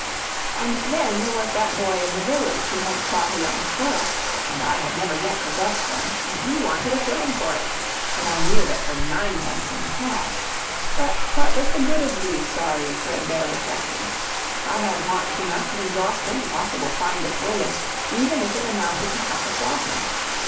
And then there was that boy in the village who had caught a young squirrel, and I had never yet possessed one, and he wanted a shilling for it, but I knew that for ninepence in cash but what was the good of these sorry, threadbare reflections? I had wants enough to exhaust any possible find of bullion, even if it amounted to half a sovereign.